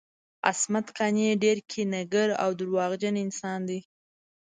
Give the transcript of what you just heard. عصمت قانع ډیر کینه ګر او درواغجن انسان دی